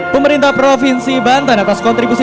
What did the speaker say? pemerintah provinsi banten atas kontribusi